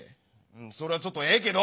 うんそれはちょっとええけど。